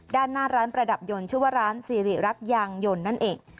ด้านหน้าร้านประดับยนต์ชื่อว่าร้านสิริรักษ์ยางยนต์นั่นเอง